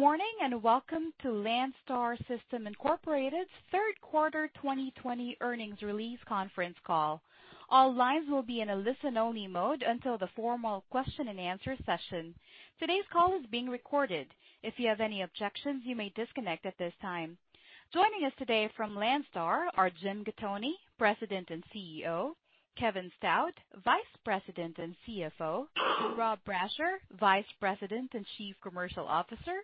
Good morning, and welcome to Landstar System Incorporated's third quarter 2020 earnings release conference call. All lines will be in a listen-only mode until the formal question and answer session. Today's call is being recorded. If you have any objections, you may disconnect at this time. Joining us today from Landstar are Jim Gattoni, President and CEO, Kevin Stout, Vice President and CFO, Rob Brasher, Vice President and Chief Commercial Officer,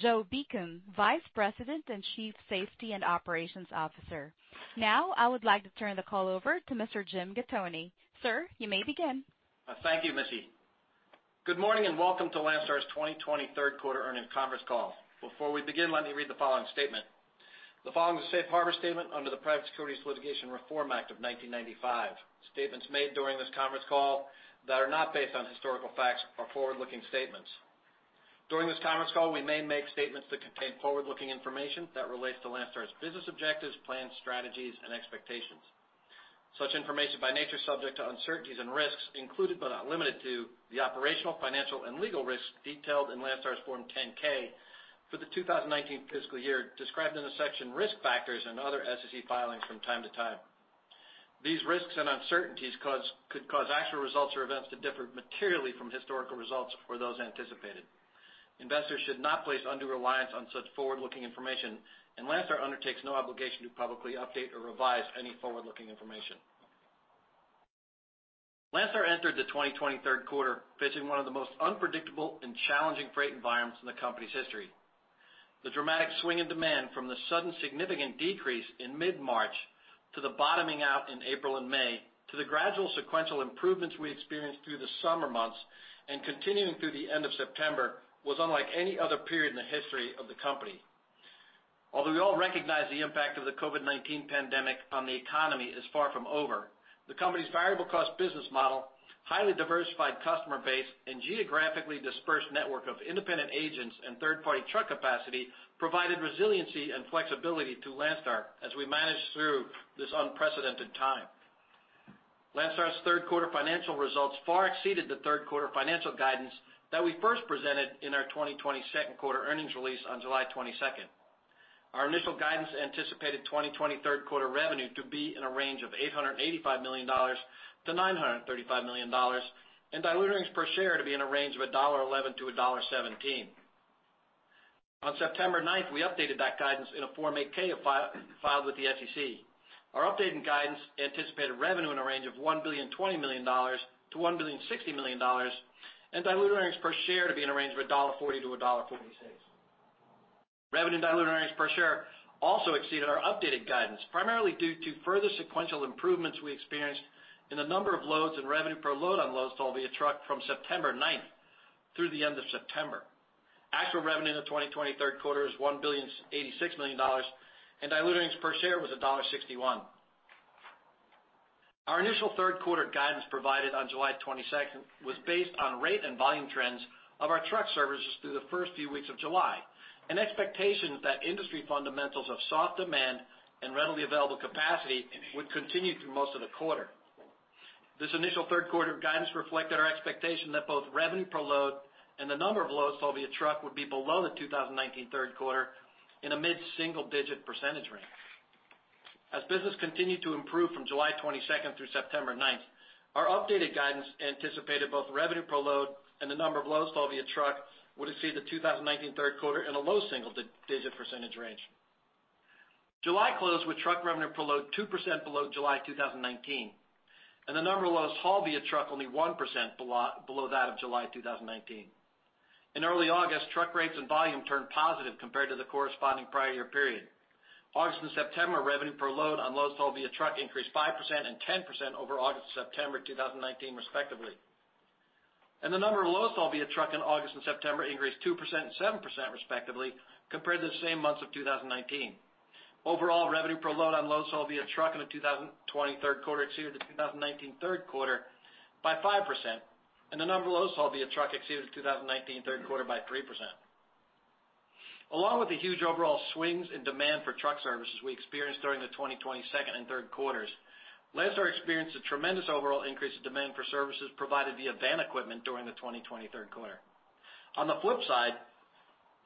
Joe Beacom, Vice President and Chief Safety and Operations Officer. Now, I would like to turn the call over to Mr. Jim Gattoni. Sir, you may begin. Thank you, Missy. Good morning, and welcome to Landstar's 2023 third quarter earnings conference call. Before we begin, let me read the following statement. The following is a safe harbor statement under the Private Securities Litigation Reform Act of 1995. Statements made during this conference call that are not based on historical facts are forward-looking statements. During this conference call, we may make statements that contain forward-looking information that relates to Landstar's business objectives, plans, strategies, and expectations. Such information by nature is subject to uncertainties and risks included, but not limited to, the operational, financial, and legal risks detailed in Landstar's Form 10-K for the 2019 fiscal year, described in the section Risk Factors and other SEC filings from time to time. These risks and uncertainties could cause actual results or events to differ materially from historical results or those anticipated. Investors should not place undue reliance on such forward-looking information, and Landstar undertakes no obligation to publicly update or revise any forward-looking information. Landstar entered the 2023 third quarter facing one of the most unpredictable and challenging freight environments in the company's history. The dramatic swing in demand from the sudden significant decrease in mid-March, to the bottoming out in April and May, to the gradual sequential improvements we experienced through the summer months and continuing through the end of September, was unlike any other period in the history of the company. Although we all recognize the impact of the COVID-19 pandemic on the economy is far from over, the company's variable cost business model, highly diversified customer base, and geographically dispersed network of independent agents and third-party truck capacity provided resiliency and flexibility to Landstar as we managed through this unprecedented time. Landstar's third quarter financial results far exceeded the third quarter financial guidance that we first presented in our 2022 second quarter earnings release on July 22. Our initial guidance anticipated 2023 third quarter revenue to be in a range of $885 million-$935 million, and diluted earnings per share to be in a range of $1.11-$1.17. On September 9, we updated that guidance in a Form 8-K filed with the SEC. Our updated guidance anticipated revenue in a range of $1.02 billion-$1.06 billion, and diluted earnings per share to be in a range of $1.40-$1.46. Revenue and diluted earnings per share also exceeded our updated guidance, primarily due to further sequential improvements we experienced in the number of loads and revenue per load on loads hauled via truck from September ninth through the end of September. Actual revenue in the 2023 third quarter is $1.086 billion, and diluted earnings per share was $1.61. Our initial third quarter guidance, provided on July twenty-second, was based on rate and volume trends of our truck services through the first few weeks of July, and expectations that industry fundamentals of soft demand and readily available capacity would continue through most of the quarter. This initial third quarter guidance reflected our expectation that both revenue per load and the number of loads hauled via truck would be below the 2019 third quarter in a mid-single-digit % range. As business continued to improve from July 22 through September 9, our updated guidance anticipated both revenue per load and the number of loads hauled via truck would exceed the 2019 third quarter in a low single-digit % range. July closed with truck revenue per load 2% below July 2019, and the number of loads hauled via truck only 1% below that of July 2019. In early August, truck rates and volume turned positive compared to the corresponding prior year period. August and September revenue per load on loads hauled via truck increased 5% and 10% over August and September 2019, respectively. The number of loads hauled via truck in August and September increased 2% and 7%, respectively, compared to the same months of 2019. Overall, revenue per load on loads hauled via truck in the 2023 third quarter exceeded the 2019 third quarter by 5%, and the number of loads hauled via truck exceeded the 2019 third quarter by 3%. Along with the huge overall swings in demand for truck services we experienced during the 2022 second and third quarters, Landstar experienced a tremendous overall increase in demand for services provided via van equipment during the 2023 third quarter. On the flip side,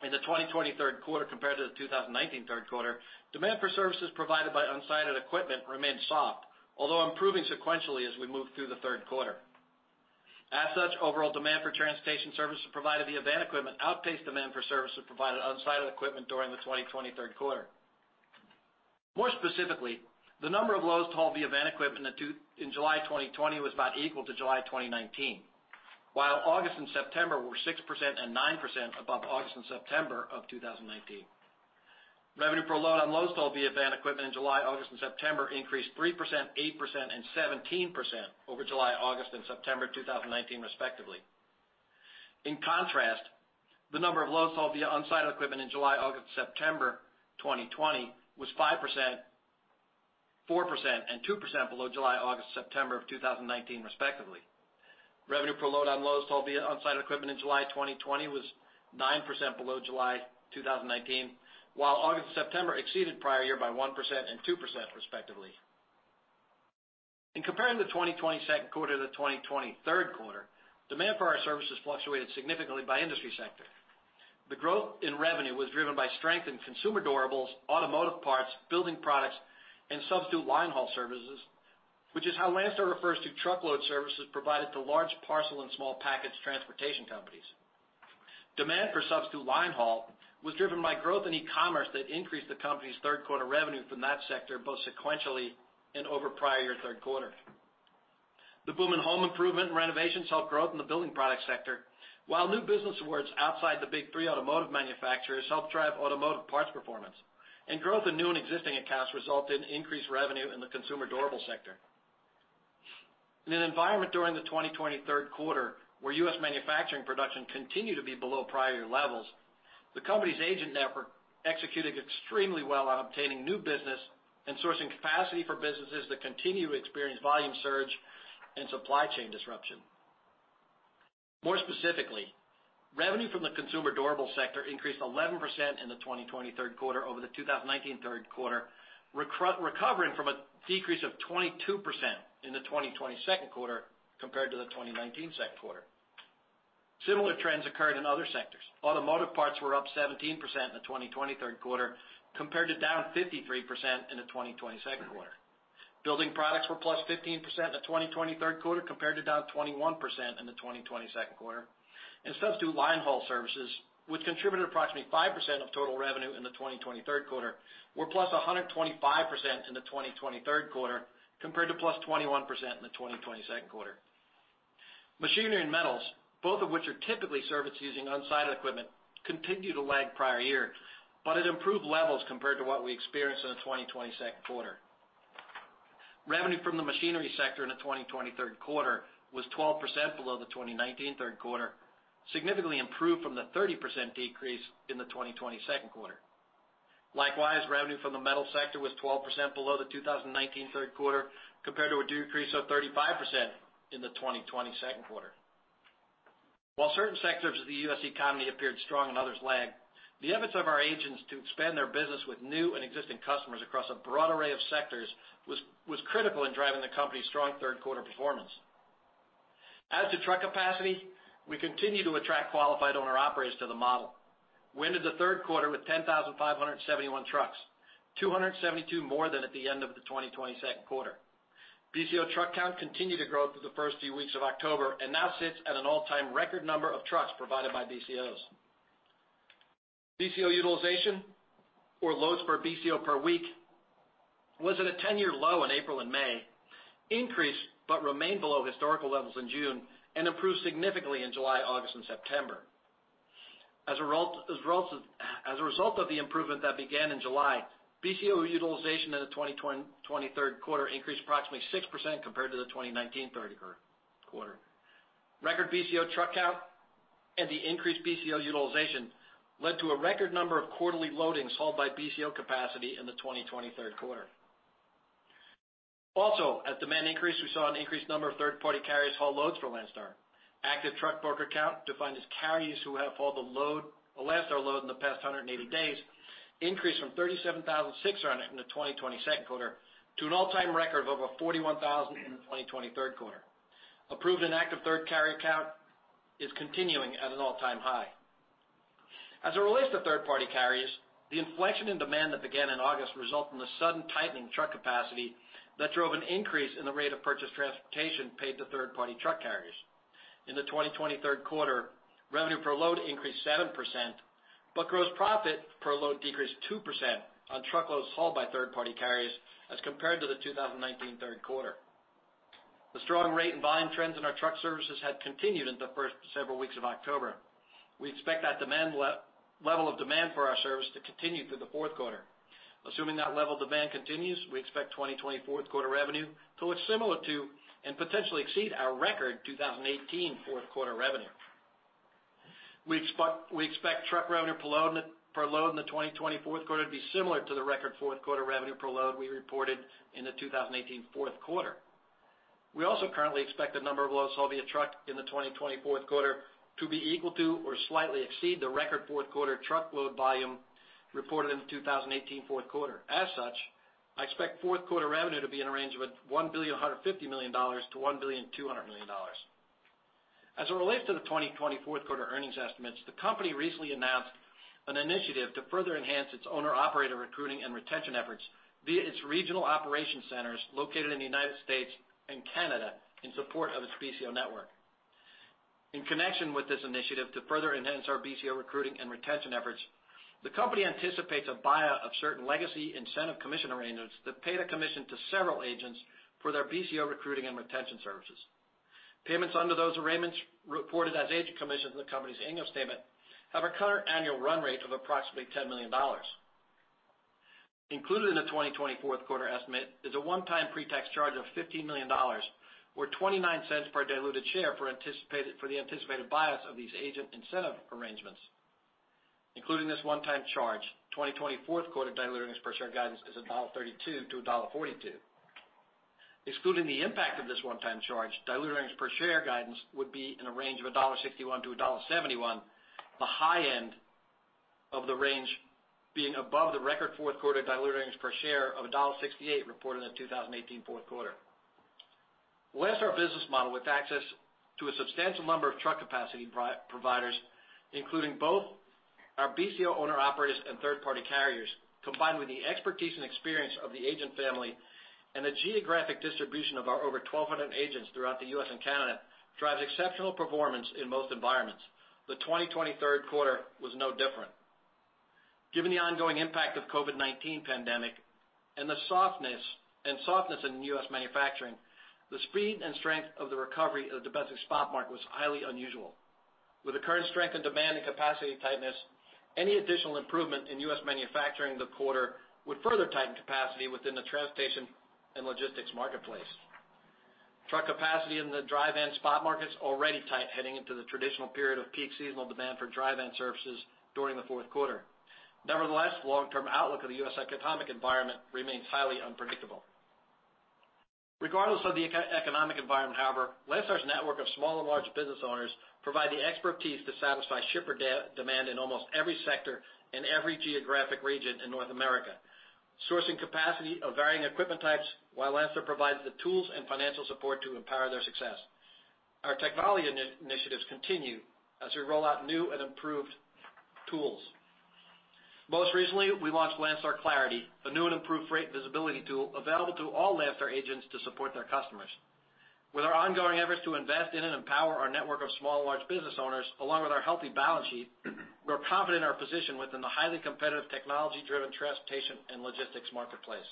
in the 2023 third quarter compared to the 2019 third quarter, demand for services provided by unsided equipment remained soft, although improving sequentially as we moved through the third quarter. As such, overall demand for transportation services provided via van equipment outpaced demand for services provided on unsided equipment during the 2023 third quarter. More specifically, the number of loads hauled via van equipment in July 2020 was about equal to July 2019. While August and September were 6% and 9% above August and September of 2019. Revenue per load on loads hauled via van equipment in July, August, and September increased 3%, 8%, and 17% over July, August, and September 2019, respectively. In contrast, the number of loads hauled via unsided equipment in July, August, and September 2020 was 5%, 4%, and 2% below July, August, and September of 2019, respectively. Revenue per load on loads hauled via unsided equipment in July 2020 was 9% below July 2019, while August and September exceeded prior year by 1% and 2%, respectively. In comparing the 2022 second quarter to the 2023 third quarter, demand for our services fluctuated significantly by industry sector. The growth in revenue was driven by strength in consumer durables, automotive parts, building products, and Substitute Line Haul services, which is how Landstar refers to truckload services provided to large parcel and small package transportation companies. Demand for Substitute Line Haul was driven by growth in e-commerce that increased the company's third quarter revenue from that sector, both sequentially and over prior year third quarter. The boom in home improvement and renovations helped growth in the building product sector, while new business awards outside the big three automotive manufacturers helped drive automotive parts performance. Growth in new and existing accounts resulted in increased revenue in the consumer durable sector. In an environment during the 2023 third quarter, where U.S. manufacturing production continued to be below prior year levels, the company's agent network executed extremely well on obtaining new business and sourcing capacity for businesses that continue to experience volume surge and supply chain disruption. More specifically, revenue from the consumer durable sector increased 11% in the 2023 third quarter over the 2019 third quarter, recovering from a decrease of 22% in the 2022 second quarter compared to the 2019 second quarter. Similar trends occurred in other sectors. Automotive parts were up 17% in the 2023 third quarter, compared to down 53% in the 2022 second quarter. Building products were plus 15% in the 2023 third quarter, compared to down 21% in the 2022 second quarter. Substitute Line Haul services, which contributed approximately 5% of total revenue in the 2023 third quarter, were +125% in the 2023 third quarter, compared to +21% in the 2022 quarter. Machinery and metals, both of which are typically serviced using unsided equipment, continued to lag prior year, but at improved levels compared to what we experienced in the 2022 quarter. Revenue from the machinery sector in the 2023 third quarter was 12% below the 2019 third quarter, significantly improved from the 30% decrease in the 2022 quarter. Likewise, revenue from the metals sector was 12% below the 2019 third quarter, compared to a decrease of 35% in the 2022 quarter. While certain sectors of the U.S. economy appeared strong and others lagged, the efforts of our agents to expand their business with new and existing customers across a broad array of sectors was critical in driving the company's strong third quarter performance. As to truck capacity, we continue to attract qualified owner-operators to the model. We ended the third quarter with 10,571 trucks, 272 more than at the end of the 2022 quarter. BCO truck count continued to grow through the first few weeks of October, and now sits at an all-time record number of trucks provided by BCOs. BCO utilization, or loads per BCO per week, was at a 10-year low in April and May, increased but remained below historical levels in June, and improved significantly in July, August, and September. As a result, as a result of the improvement that began in July, BCO utilization in the 2023 third quarter increased approximately 6% compared to the 2019 third quarter. Record BCO truck count and the increased BCO utilization led to a record number of quarterly loadings hauled by BCO capacity in the 2023 third quarter. Also, as demand increased, we saw an increased number of third-party carriers haul loads for Landstar. Active truck broker count, defined as carriers who have hauled a load, a Landstar load in the past 180 days, increased from 37,600 in the 2022 second quarter to an all-time record of over 41,000 in the 2023 third quarter. Approved and active third carrier count is continuing at an all-time high. As it relates to third-party carriers, the inflection in demand that began in August resulted in a sudden tightening truck capacity that drove an increase in the rate of purchased transportation paid to third-party truck carriers. In the 2023 third quarter, revenue per load increased 7%, but gross profit per load decreased 2% on truckloads hauled by third-party carriers as compared to the 2019 third quarter. The strong rate and volume trends in our truck services had continued into the first several weeks of October. We expect that demand level of demand for our service to continue through the fourth quarter. Assuming that level of demand continues, we expect 2024 fourth quarter revenue to look similar to, and potentially exceed, our record 2018 fourth quarter revenue. We expect truck revenue per load in the 2020 fourth quarter to be similar to the record fourth quarter revenue per load we reported in the two thousand and eighteen fourth quarter. We also currently expect the number of loads hauled via truck in the twenty twenty-fourth quarter to be equal to or slightly exceed the record fourth quarter truckload volume reported in the two thousand and eighteen fourth quarter. As such, I expect fourth quarter revenue to be in a range of $1.15 billion-$1.2 billion. As it relates to the twenty twenty-fourth quarter earnings estimates, the company recently announced an initiative to further enhance its owner-operator recruiting and retention efforts via its regional operation centers located in the United States and Canada in support of its BCO network. In connection with this initiative to further enhance our BCO recruiting and retention efforts, the company anticipates a buyout of certain legacy incentive commission arrangements that paid a commission to several agents for their BCO recruiting and retention services. Payments under those arrangements, reported as agent commissions in the company's annual statement, have a current annual run rate of approximately $10 million. Included in the 2024 fourth quarter estimate is a one-time pre-tax charge of $15 million, or $0.29 per diluted share, for the anticipated buyouts of these agent incentive arrangements. Including this one-time charge, 2024 fourth quarter diluted earnings per share guidance is $1.32-$1.42. Excluding the impact of this one-time charge, diluted earnings per share guidance would be in a range of $1.61-$1.71, the high end-... of the range being above the record fourth quarter diluted earnings per share of $1.68, reported in the 2018 fourth quarter. Leverage our business model, with access to a substantial number of truck capacity providers, including both our BCO owner-operators and third-party carriers, combined with the expertise and experience of the agent family, and the geographic distribution of our over 1,200 agents throughout the U.S. and Canada, drives exceptional performance in most environments. The 2023 third quarter was no different. Given the ongoing impact of COVID-19 pandemic and the softness in U.S. manufacturing, the speed and strength of the recovery of the domestic spot market was highly unusual. With the current strength and demand and capacity tightness, any additional improvement in U.S. manufacturing the quarter, would further tighten capacity within the transportation and logistics marketplace. Truck capacity in the dry van and spot markets already tight, heading into the traditional period of peak seasonal demand for dry van services during the fourth quarter. Nevertheless, long-term outlook of the U.S. economic environment remains highly unpredictable. Regardless of the economic environment, however, Landstar's network of small and large business owners provide the expertise to satisfy shipper demand in almost every sector and every geographic region in North America, sourcing capacity of varying equipment types, while Landstar provides the tools and financial support to empower their success. Our technology initiatives continue as we roll out new and improved tools. Most recently, we launched Landstar Clarity, a new and improved rate visibility tool available to all Landstar agents to support their customers. With our ongoing efforts to invest in and empower our network of small and large business owners, along with our healthy balance sheet, we're confident in our position within the highly competitive, technology-driven transportation and logistics marketplace.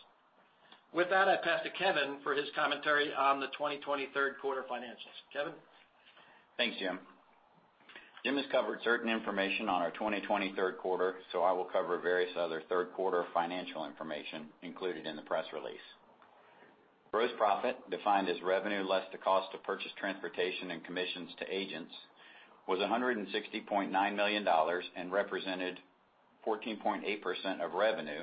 With that, I pass to Kevin for his commentary on the 2023 third quarter financials. Kevin? Thanks, Jim. Jim has covered certain information on our 2023 third quarter, so I will cover various other third quarter financial information included in the press release. Gross profit, defined as revenue less the cost of purchased transportation and commissions to agents, was $160.9 million and represented 14.8% of revenue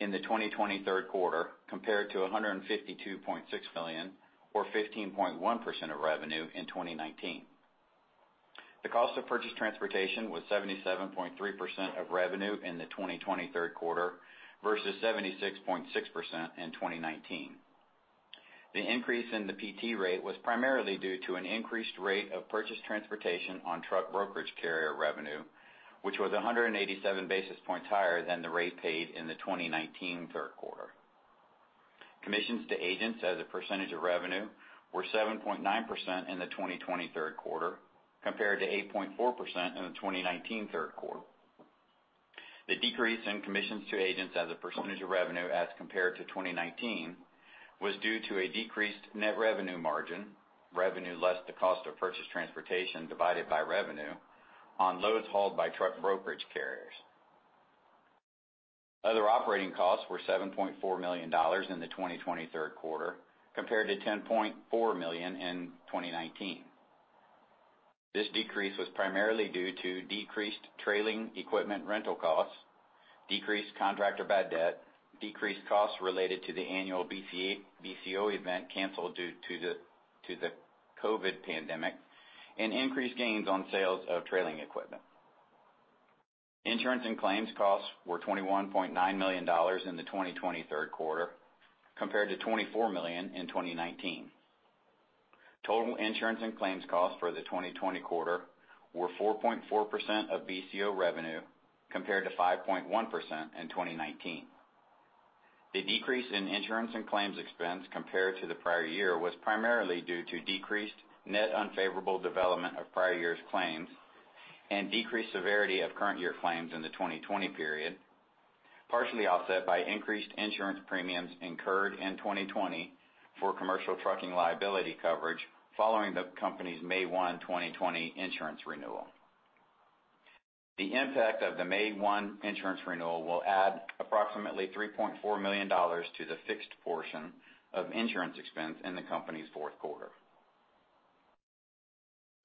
in the 2023 third quarter, compared to $152.6 million, or 15.1% of revenue in 2019. The cost of purchased transportation was 77.3% of revenue in the 2023 third quarter versus 76.6% in 2019. The increase in the PT rate was primarily due to an increased rate of purchased transportation on truck brokerage carrier revenue, which was 187 basis points higher than the rate paid in the 2019 third quarter. Commissions to agents as a percentage of revenue were 7.9% in the 2023 third quarter, compared to 8.4% in the 2019 third quarter. The decrease in commissions to agents as a percentage of revenue as compared to 2019, was due to a decreased net revenue margin, revenue less the cost of purchased transportation divided by revenue on loads hauled by truck brokerage carriers. Other operating costs were $7.4 million in the 2023 third quarter, compared to $10.4 million in 2019. This decrease was primarily due to decreased trailer equipment rental costs, decreased contractor bad debt, decreased costs related to the annual BCO event canceled due to the COVID pandemic, and increased gains on sales of trailer equipment. Insurance and claims costs were $21.9 million in the 2020 third quarter, compared to $24 million in 2019. Total insurance and claims costs for the 2020 quarter were 4.4% of BCO revenue, compared to 5.1% in 2019. The decrease in insurance and claims expense compared to the prior year, was primarily due to decreased net unfavorable development of prior years' claims and decreased severity of current year claims in the 2020 period, partially offset by increased insurance premiums incurred in 2020 for commercial trucking liability coverage, following the company's May 1, 2020 insurance renewal. The impact of the May 1 insurance renewal will add approximately $3.4 million to the fixed portion of insurance expense in the company's fourth quarter.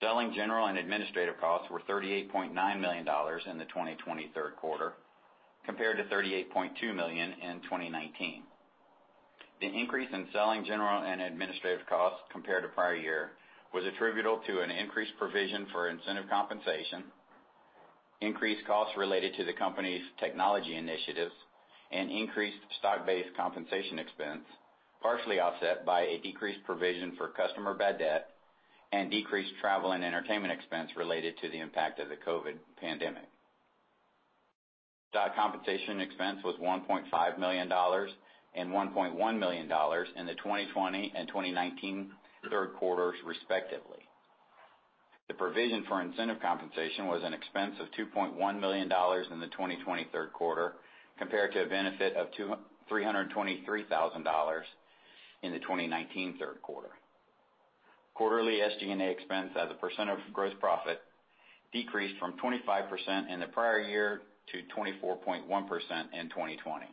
Selling, general and administrative costs were $38.9 million in the 2020 third quarter, compared to $38.2 million in 2019. The increase in selling, general and administrative costs compared to prior year, was attributable to an increased provision for incentive compensation, increased costs related to the company's technology initiatives, and increased stock-based compensation expense, partially offset by a decreased provision for customer bad debt and decreased travel and entertainment expense related to the impact of the COVID pandemic. Stock compensation expense was $1.5 million and $1.1 million in the 2020 and 2019 third quarters, respectively. The provision for incentive compensation was an expense of $2.1 million in the 2020 third quarter, compared to a benefit of $233,000 in the 2019 third quarter. Quarterly SG&A expense as a percent of gross profit decreased from 25% in the prior year to 24.1% in 2020.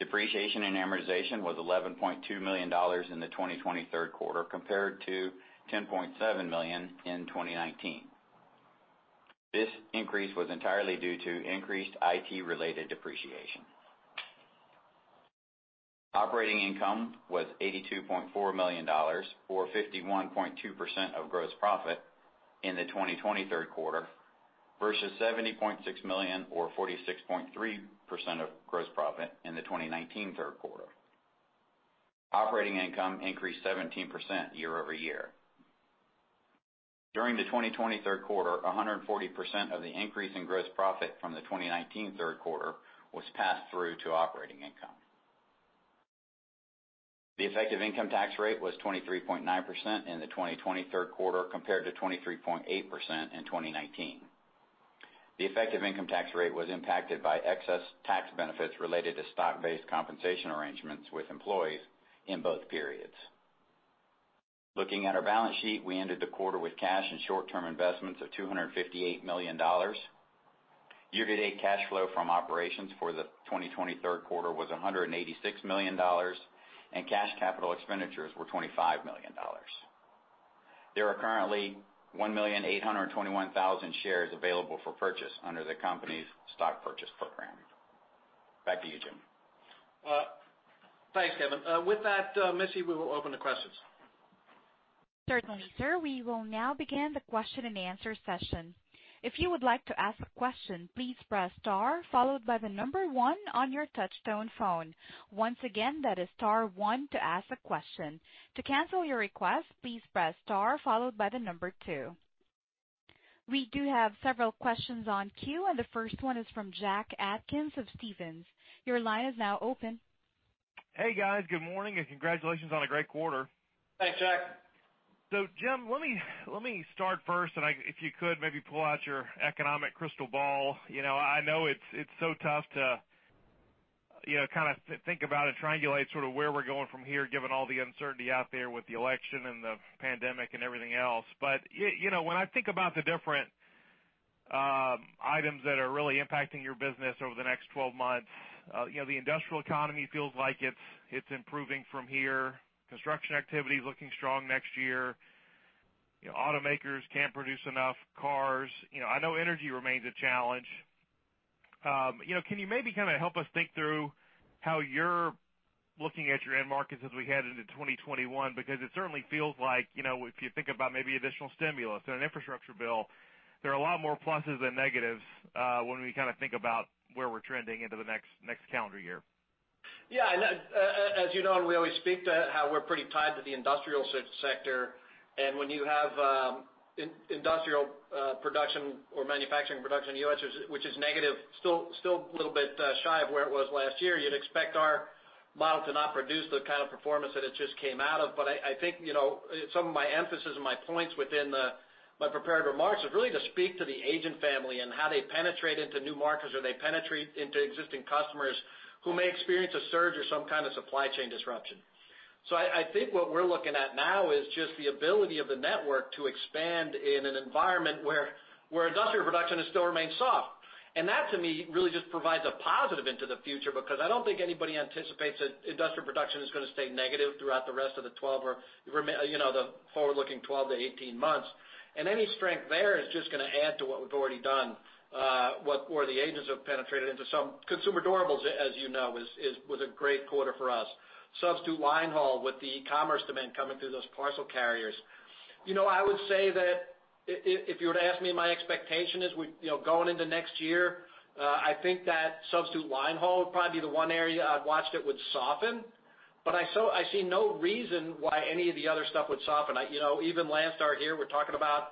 Depreciation and amortization was $11.2 million in the 2020 third quarter, compared to $10.7 million in 2019. This increase was entirely due to increased IT-related depreciation.... Operating income was $82.4 million, or 51.2% of gross profit in the 2020 third quarter, versus $70.6 million, or 46.3% of gross profit in the 2019 third quarter. Operating income increased 17% year-over-year. During the 2020 third quarter, 140% of the increase in gross profit from the 2019 third quarter was passed through to operating income. The effective income tax rate was 23.9% in the 2023 third quarter, compared to 23.8% in 2019. The effective income tax rate was impacted by excess tax benefits related to stock-based compensation arrangements with employees in both periods. Looking at our balance sheet, we ended the quarter with cash and short-term investments of $258 million. Year-to-date cash flow from operations for the 2023 third quarter was $186 million, and cash capital expenditures were $25 million. There are currently 1,821,000 shares available for purchase under the company's stock purchase program. Back to you, Jim. Thanks, Kevin. With that, Missy, we will open to questions. Certainly, sir. We will now begin the question and answer session. If you would like to ask a question, please press star followed by the number one on your touchtone phone. Once again, that is star one to ask a question. To cancel your request, please press star followed by the number two. We do have several questions in queue, and the first one is from Jack Atkins of Stephens. Your line is now open. Hey, guys. Good morning, and congratulations on a great quarter! Thanks, Jack. So Jim, let me start first, and I, if you could maybe pull out your economic crystal ball. You know, I know it's, it's so tough to, you know, kind of think about and triangulate sort of where we're going from here, given all the uncertainty out there with the election and the pandemic and everything else. But you know, when I think about the different items that are really impacting your business over the next 12 months, you know, the industrial economy feels like it's, it's improving from here. Construction activity is looking strong next year. You know, automakers can't produce enough cars. You know, I know energy remains a challenge. You know, can you maybe kind of help us think through how you're looking at your end markets as we head into 2021? Because it certainly feels like, you know, if you think about maybe additional stimulus and an infrastructure bill, there are a lot more pluses than negatives, when we kind of think about where we're trending into the next, next calendar year. Yeah, and as you know, we always speak to how we're pretty tied to the industrial sector. And when you have industrial production or manufacturing production in the U.S., which is negative, still a little bit shy of where it was last year, you'd expect our model to not produce the kind of performance that it just came out of. But I think, you know, some of my emphasis and my points within my prepared remarks is really to speak to the agent family and how they penetrate into new markets, or they penetrate into existing customers who may experience a surge or some kind of supply chain disruption. So I think what we're looking at now is just the ability of the network to expand in an environment where industrial production still remains soft. That, to me, really just provides a positive into the future, because I don't think anybody anticipates that industrial production is going to stay negative throughout the rest of the 12 or rema- you know, the forward-looking 12 to 18 months. Any strength there is just going to add to what we've already done, what, where the agents have penetrated into some consumer durables, as you know, is, is, was a great quarter for us. Substitute Line Haul with the e-commerce demand coming through those parcel carriers. You know, I would say that if you were to ask me, my expectation is we, you know, going into next year, I think that Substitute Line Haul would probably be the one area I'd watched it would soften, but I see no reason why any of the other stuff would soften. You know, even last hour here, we're talking about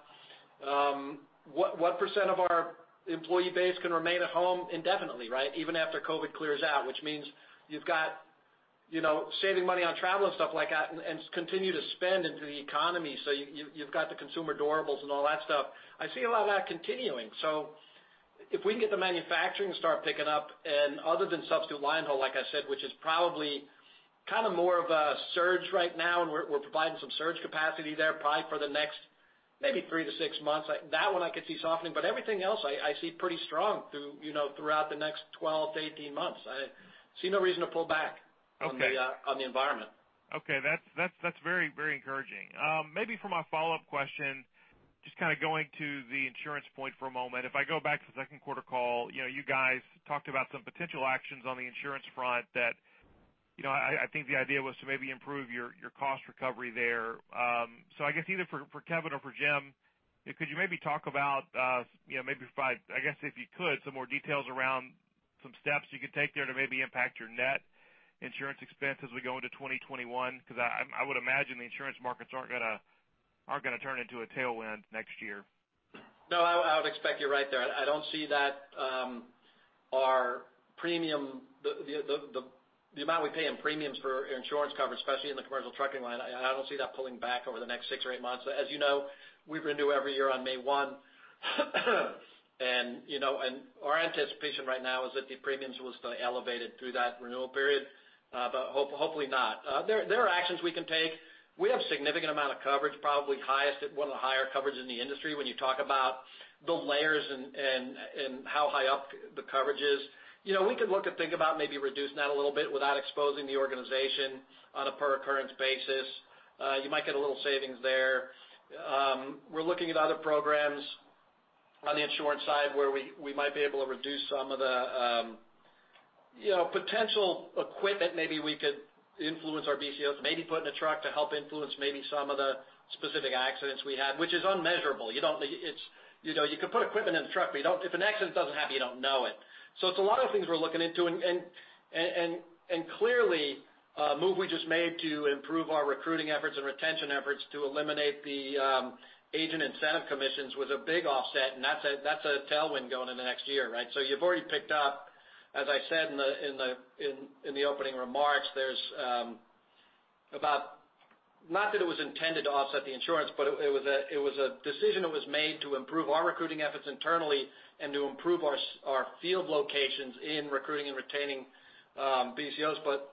what % of our employee base can remain at home indefinitely, right? Even after COVID clears out, which means you've got, you know, saving money on travel and stuff like that and continue to spend into the economy. So you've got the consumer durables and all that stuff. I see a lot of that continuing. So if we can get the manufacturing start picking up, and other than substitute line haul, like I said, which is probably kind of more of a surge right now, and we're providing some surge capacity there, probably for the next maybe 3-6 months. That one I could see softening, but everything else I see pretty strong through, you know, throughout the next 12-18 months. I see no reason to pull back- Okay. - on the, on the environment. Okay, that's very, very encouraging. Maybe for my follow-up question, just kind of going to the insurance point for a moment. If I go back to the second quarter call, you know, you guys talked about some potential actions on the insurance front that, you know, I think the idea was to maybe improve your cost recovery there. So I guess either for Kevin or for Jim, could you maybe talk about, you know, maybe provide, I guess, if you could, some more details around some steps you could take there to maybe impact your net insurance expense as we go into 2021? Because I would imagine the insurance markets aren't gonna turn into a tailwind next year. No, I would expect you're right there. I don't see that our premium, the amount we pay in premiums for insurance coverage, especially in the commercial trucking line, I don't see that pulling back over the next 6 or 8 months. As you know, we renew every year on May 1. You know, and our anticipation right now is that the premiums will stay elevated through that renewal period, but hopefully not. There are actions we can take. We have a significant amount of coverage, probably highest, at one of the higher coverage in the industry when you talk about the layers and how high up the coverage is. You know, we could look to think about maybe reducing that a little bit without exposing the organization on a per occurrence basis. You might get a little savings there. We're looking at other programs on the insurance side, where we might be able to reduce some of the, you know, potential equipment, maybe we could influence our BCOs, maybe put in a truck to help influence maybe some of the specific accidents we had, which is unmeasurable. You don't—it's, you know, you could put equipment in the truck, but you don't—if an accident doesn't happen, you don't know it. So it's a lot of things we're looking into, and clearly, the move we just made to improve our recruiting efforts and retention efforts to eliminate the agent incentive commissions was a big offset, and that's a tailwind going into next year, right? So you've already picked up, as I said in the opening remarks, there's about, not that it was intended to offset the insurance, but it was a decision that was made to improve our recruiting efforts internally and to improve our field locations in recruiting and retaining BCOs. But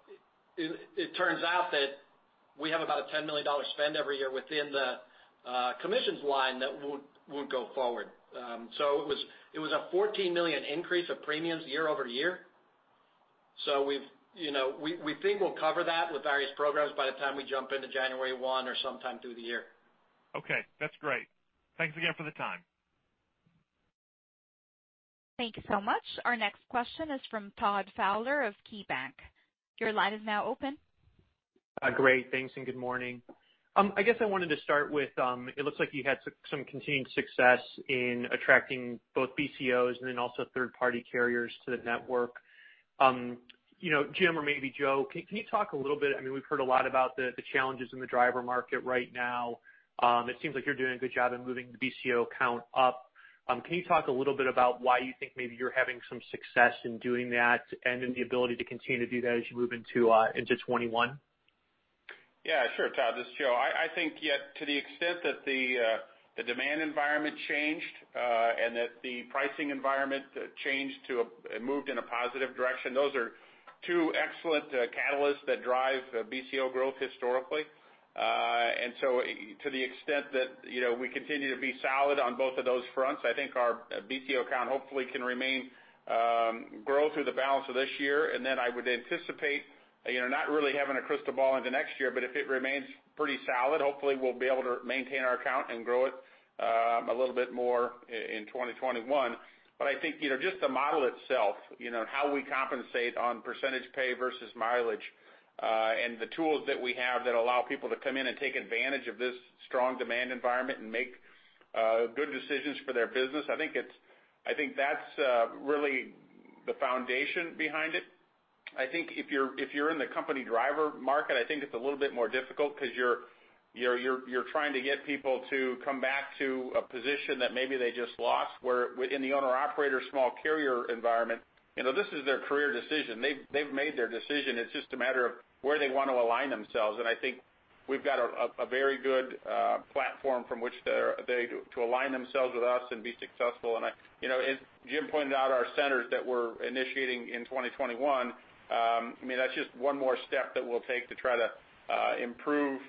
it turns out that we have about a $10 million spend every year within the commissions line that won't go forward. So it was a $14 million increase of premiums year-over-year. So we've, you know, we think we'll cover that with various programs by the time we jump into January one or sometime through the year. Okay. That's great. Thanks again for the time. Thank you so much. Our next question is from Todd Fowler of KeyBanc. Your line is now open. Great, thanks, and good morning. I guess I wanted to start with, it looks like you had some, some continued success in attracting both BCOs and then also third-party carriers to the network. You know, Jim, or maybe Joe, can, can you talk a little bit, I mean, we've heard a lot about the, the challenges in the driver market right now. It seems like you're doing a good job in moving the BCO count up. Can you talk a little bit about why you think maybe you're having some success in doing that and then the ability to continue to do that as you move into, into 2021? Yeah, sure, Todd, this is Joe. I think, yeah, to the extent that the demand environment changed, and that the pricing environment changed to a, it moved in a positive direction, those are two excellent catalysts that drive BCO growth historically. And so to the extent that, you know, we continue to be solid on both of those fronts, I think our BCO count hopefully can remain, grow through the balance of this year. And then I would anticipate, you know, not really having a crystal ball into next year, but if it remains pretty solid, hopefully we'll be able to maintain our count and grow it, a little bit more in 2021. But I think, you know, just the model itself, you know, how we compensate on percentage pay versus mileage, and the tools that we have that allow people to come in and take advantage of this strong demand environment and make good decisions for their business, I think it's. I think that's really the foundation behind it. I think if you're in the company driver market, I think it's a little bit more difficult because you're trying to get people to come back to a position that maybe they just lost, where in the owner-operator, small carrier environment, you know, this is their career decision. They've made their decision. It's just a matter of where they want to align themselves. And I think we've got a very good platform from which they're to align themselves with us and be successful. And I... You know, as Jim pointed out, our centers that we're initiating in 2021, I mean, that's just one more step that we'll take to try to improve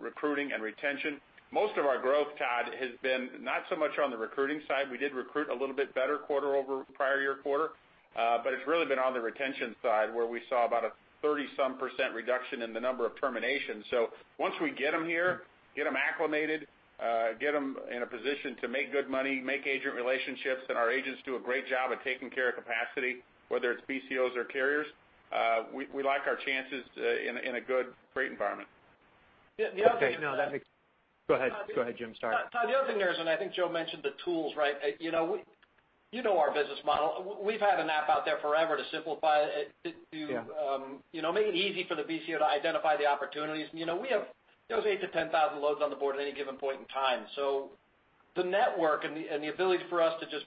recruiting and retention. Most of our growth, Todd, has been not so much on the recruiting side. We did recruit a little bit better quarter over prior year quarter, but it's really been on the retention side, where we saw about a 30-some% reduction in the number of terminations. Once we get them here, get them acclimated, get them in a position to make good money, make agent relationships, and our agents do a great job of taking care of capacity, whether it's BCOs or carriers, we like our chances in a good freight environment. Yeah, the other thing- Okay, no, that makes... Go ahead. Go ahead, Jim, sorry. Todd, the other thing there is, and I think Joe mentioned the tools, right? You know, you know our business model. We've had an app out there forever to simplify it to, Yeah... you know, make it easy for the BCO to identify the opportunities. And you know, we have those 8-10,000 loads on the board at any given point in time. So the network and the ability for us to just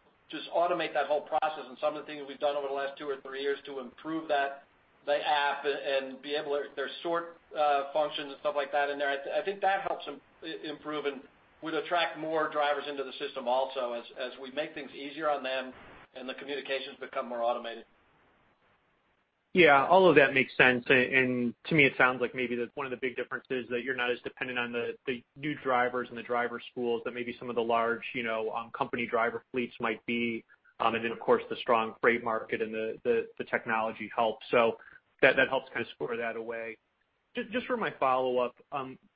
automate that whole process and some of the things we've done over the last 2 or 3 years to improve that, the app and be able to, their sort functions and stuff like that in there, I think that helps improve and would attract more drivers into the system also, as we make things easier on them and the communications become more automated. Yeah, all of that makes sense. And to me, it sounds like maybe that one of the big differences is that you're not as dependent on the new drivers and the driver schools than maybe some of the large, you know, company driver fleets might be. And then, of course, the strong freight market and the technology helps. So that helps kind of square that away. Just for my follow-up,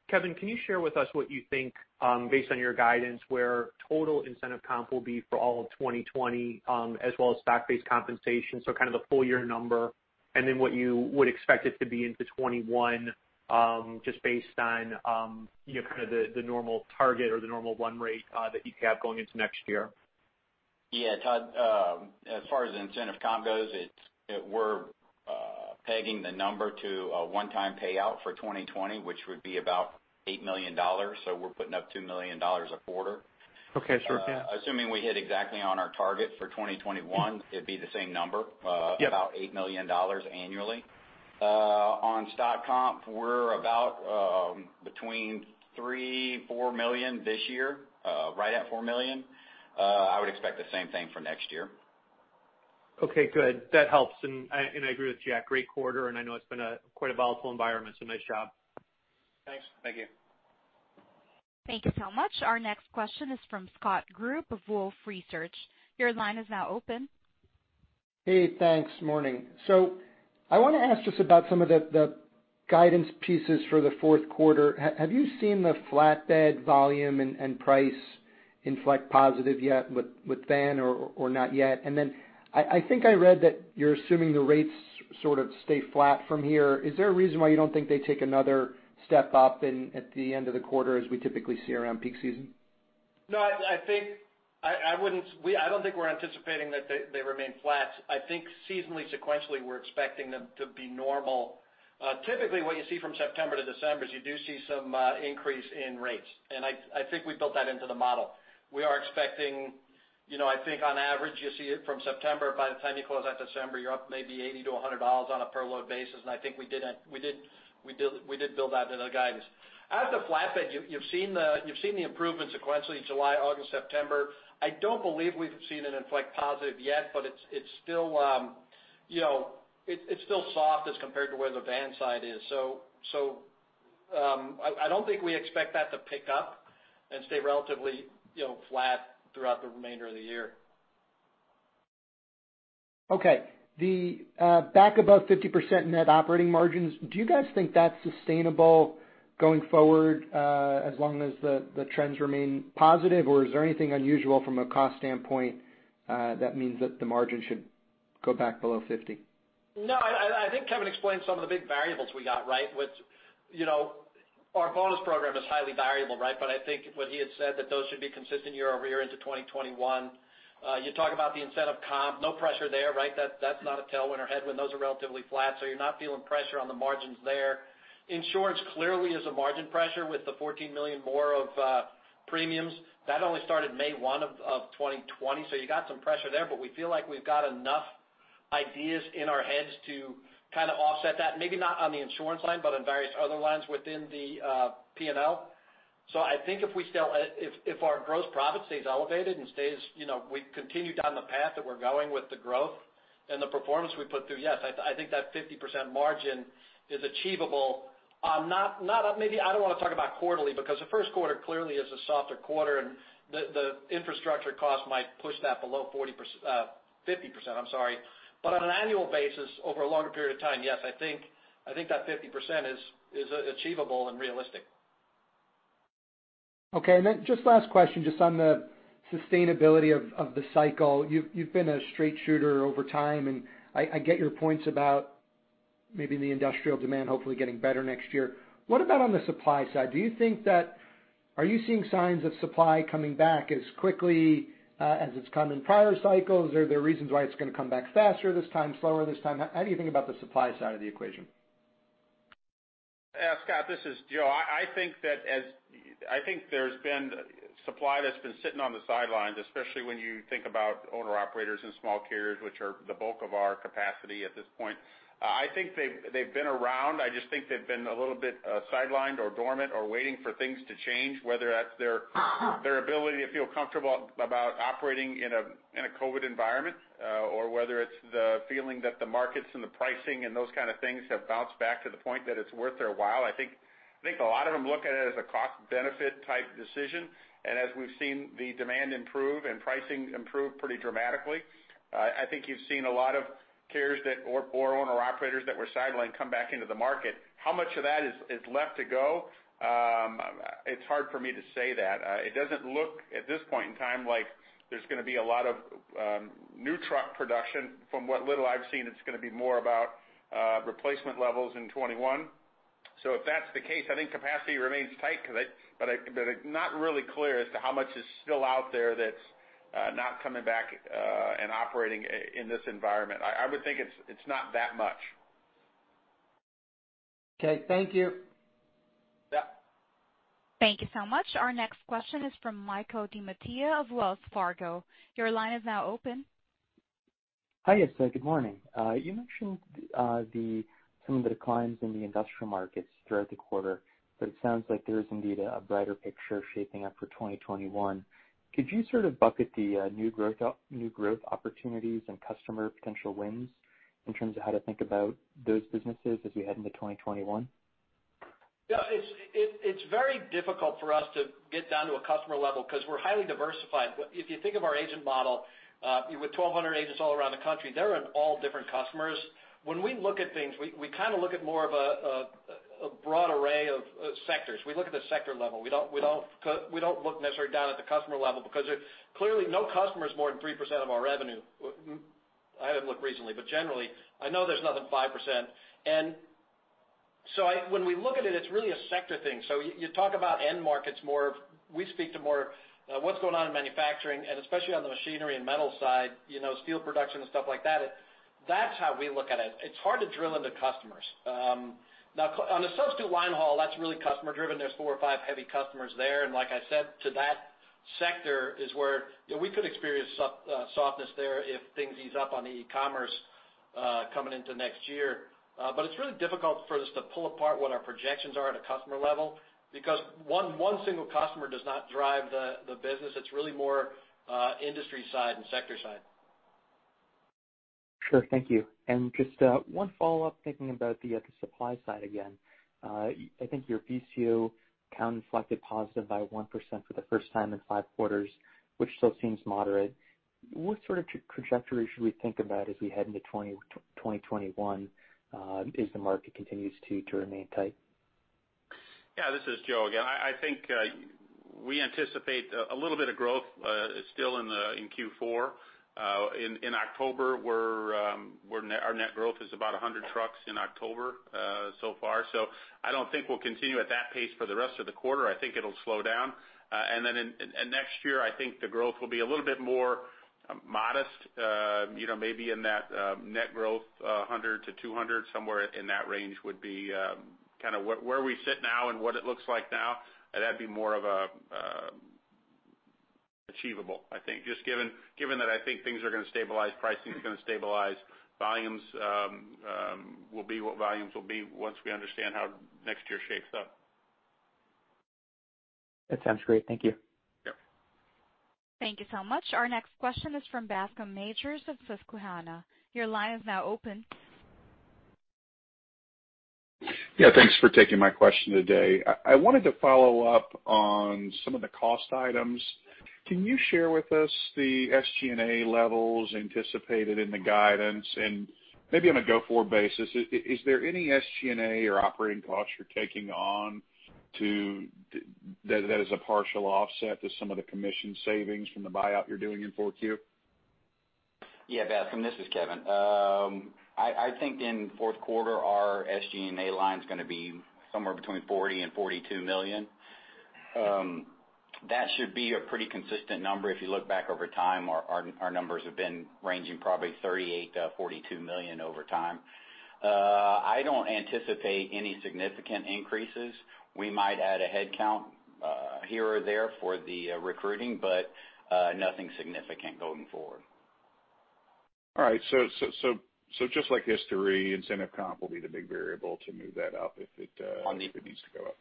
Kevin, can you share with us what you think, based on your guidance, where total incentive comp will be for all of 2020, as well as stock-based compensation, so kind of the full year number, and then what you would expect it to be into 2021, just based on, you know, kind of the normal target or the normal run rate, that you have going into next year? Yeah, Todd, as far as incentive comp goes, it's, we're pegging the number to a one-time payout for 2020, which would be about $8 million. So we're putting up $2 million a quarter. Okay, sure, yeah. Assuming we hit exactly on our target for 2021, it'd be the same number, Yep... about $8 million annually. On stock comp, we're about between $3 million-$4 million this year, right at $4 million. I would expect the same thing for next year. Okay, good. That helps. And I, and I agree with you. Great quarter, and I know it's been quite a volatile environment, so nice job. Thanks. Thank you. Thank you so much. Our next question is from Scott Group of Wolfe Research. Your line is now open. Hey, thanks. Morning. So I want to ask just about some of the guidance pieces for the fourth quarter. Have you seen the flatbed volume and price inflect positive yet with van or not yet? And then I think I read that you're assuming the rates sort of stay flat from here. Is there a reason why you don't think they take another step up in at the end of the quarter, as we typically see around peak season? No, I think I wouldn't—we—I don't think we're anticipating that they remain flat. I think seasonally, sequentially, we're expecting them to be normal. Typically, what you see from September to December is you do see some increase in rates, and I think we built that into the model. We are expecting, you know, I think on average, you see it from September, by the time you close out December, you're up maybe $80-$100 on a per load basis, and I think we did it, we did, we did, we did build that into the guidance. As to flatbed, you've seen the improvement sequentially, July, August, September. I don't believe we've seen it inflect positive yet, but it's still, you know, it's still soft as compared to where the van side is. I don't think we expect that to pick up and stay relatively, you know, flat throughout the remainder of the year. Okay. The back above 50% net operating margins, do you guys think that's sustainable going forward, as long as the trends remain positive, or is there anything unusual from a cost standpoint that means that the margin should go back below 50? No, I think Kevin explained some of the big variables we got, right? Which, you know, our bonus program is highly variable, right? But I think what he had said, that those should be consistent year-over-year into 2021. You talk about the incentive comp, no pressure there, right? That's not a tailwind or headwind. Those are relatively flat, so you're not feeling pressure on the margins there. Insurance clearly is a margin pressure with the $14 million more of premiums. That only started May 1, 2020, so you got some pressure there, but we feel like we've got enough ideas in our heads to kind of offset that, maybe not on the insurance line, but on various other lines within the P&L. So I think if our gross profit stays elevated and stays, you know, we continue down the path that we're going with the growth and the performance we put through, yes, I think that 50% margin is achievable. Not maybe, I don't want to talk about quarterly, because the first quarter clearly is a softer quarter, and the infrastructure cost might push that below 40%-50%, I'm sorry. But on an annual basis, over a longer period of time, yes, I think that 50% is achievable and realistic. Okay, and then just last question, just on the sustainability of, of the cycle. You've, you've been a straight shooter over time, and I, I get your points about maybe the industrial demand hopefully getting better next year. What about on the supply side? Do you think that... Are you seeing signs of supply coming back as quickly, as it's come in prior cycles, or are there reasons why it's going to come back faster this time, slower this time? How, how do you think about the supply side of the equation? Scott, this is Joe. I think there's been supply that's been sitting on the sidelines, especially when you think about owner-operators and small carriers, which are the bulk of our capacity at this point. I think they've been around. I just think they've been a little bit sidelined or dormant or waiting for things to change, whether that's their-... their ability to feel comfortable about operating in a COVID environment, or whether it's the feeling that the markets and the pricing and those kind of things have bounced back to the point that it's worth their while. I think a lot of them look at it as a cost-benefit type decision. As we've seen the demand improve and pricing improve pretty dramatically, I think you've seen a lot of carriers or owner-operators that were sidelined come back into the market. How much of that is left to go? It's hard for me to say that. It doesn't look, at this point in time, like there's going to be a lot of new truck production. From what little I've seen, it's going to be more about replacement levels in 2021. So if that's the case, I think capacity remains tight, because I... but I, but it's not really clear as to how much is still out there that's, not coming back, and operating in this environment. I, I would think it's, it's not that much. Okay. Thank you. Yeah. Thank you so much. Our next question is from Michael DiMattia of Wells Fargo. Your line is now open. Hi, yes, good morning. You mentioned some of the declines in the industrial markets throughout the quarter, but it sounds like there is indeed a brighter picture shaping up for 2021. Could you sort of bucket the new growth opportunities and customer potential wins in terms of how to think about those businesses as we head into 2021? Yeah, it's very difficult for us to get down to a customer level because we're highly diversified. If you think of our agent model with 1,200 agents all around the country, they're in all different customers. When we look at things, we kind of look at more of a broad array of sectors. We look at the sector level. We don't look necessarily down at the customer level because clearly, no customer is more than 3% of our revenue. I haven't looked recently, but generally, I know there's nothing 5%. And so when we look at it, it's really a sector thing. So you talk about end markets more. We speak to more, what's going on in manufacturing, and especially on the machinery and metal side, you know, steel production and stuff like that. That's how we look at it. It's hard to drill into customers. Now, on the Substitute Line Haul, that's really customer driven. There's four or five heavy customers there, and like I said, to that sector is where, you know, we could experience softness there if things ease up on e-commerce, coming into next year. But it's really difficult for us to pull apart what our projections are at a customer level, because one single customer does not drive the business. It's really more, industry side and sector side. Sure. Thank you. And just one follow-up, thinking about the supply side again. I think your BCO count inflected positive by 1% for the first time in five quarters, which still seems moderate... What sort of trajectory should we think about as we head into 2021, as the market continues to remain tight? Yeah, this is Joe again. I think we anticipate a little bit of growth still in Q4. In October, our net growth is about 100 trucks in October so far. So I don't think we'll continue at that pace for the rest of the quarter. I think it'll slow down. And then next year, I think the growth will be a little bit more modest, you know, maybe in that net growth, 100-200, somewhere in that range would be kind of where we sit now and what it looks like now, that'd be more of a achievable. I think just given, given that I think things are going to stabilize, pricing is going to stabilize, volumes, will be what volumes will be once we understand how next year shapes up. That sounds great. Thank you. Yep. Thank you so much. Our next question is from Bascome Majors of Susquehanna. Your line is now open. Yeah, thanks for taking my question today. I wanted to follow up on some of the cost items. Can you share with us the SG&A levels anticipated in the guidance? And maybe on a go-forward basis, is there any SG&A or operating costs you're taking on to... That is a partial offset to some of the commission savings from the buyout you're doing in 4Q? Yeah, Bascome, this is Kevin. I think in the fourth quarter, our SG&A line is going to be somewhere between $40 million-$42 million. That should be a pretty consistent number. If you look back over time, our numbers have been ranging probably $38 million-$42 million over time. I don't anticipate any significant increases. We might add a headcount here or there for the recruiting, but nothing significant going forward. All right. So just like history, incentive comp will be the big variable to move that up if it. On the- - if it needs to go up.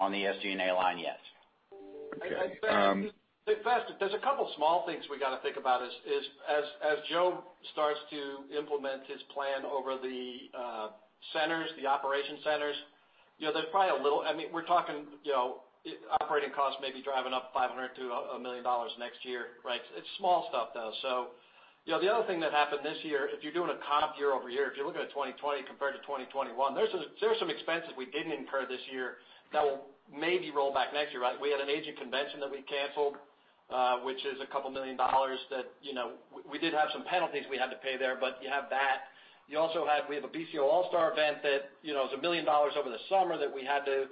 On the SG&A line, yes. Okay, um- Hey, Bas, there's a couple of small things we got to think about as Joe starts to implement his plan over the centers, the operation centers. You know, there's probably a little. I mean, we're talking, you know, operating costs may be driving up $500-$1 million next year, right? It's small stuff, though. So, you know, the other thing that happened this year, if you're doing a comp year-over-year, if you're looking at 2020 compared to 2021, there are some expenses we didn't incur this year that will maybe roll back next year, right? We had an agent convention that we canceled, which is a couple million dollars that, you know, we did have some penalties we had to pay there, but you have that. You also have, we have a BCO All-Star event that, you know, is $1 million over the summer that we had to,